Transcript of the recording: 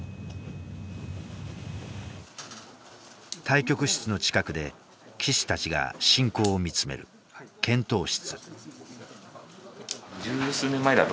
対局室の近くで棋士たちが進行を見つめる検討室。